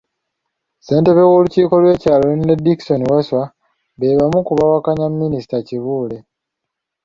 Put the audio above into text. Ssentebe w'olukiiko lw'ekyalo ne Dickson Wasswa be bamu ku baawakanya Minisita Kibuule.